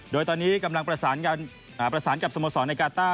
โดยตอนนี้กำลังประสานกับสโมสรในกาต้า